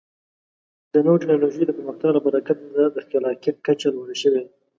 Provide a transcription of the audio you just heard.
د نوو ټکنالوژیو د پرمختګ له برکته د خلاقیت کچه لوړه شوې ده.